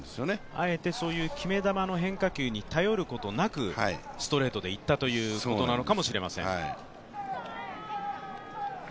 あえて決め球の変化球に頼ることなくストレートでいったということなのかもしれません。